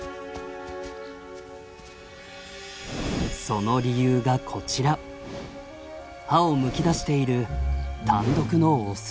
その理由がこちら歯をむき出している単独のオス。